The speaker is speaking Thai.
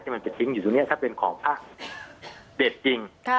ที่มันจะทิ้งอยู่ตรงเนี้ยถ้าเป็นของผ้าเด็ดจริงค่ะ